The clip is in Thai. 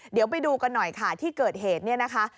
เดี๋ยวไปดูกันหน่อยค่ะที่เกิดเหตุเนี่ยนะคะ